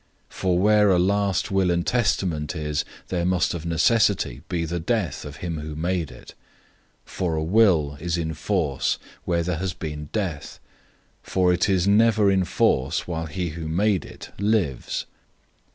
009:016 For where a last will and testament is, there must of necessity be the death of him who made it. 009:017 For a will is in force where there has been death, for it is never in force while he who made it lives.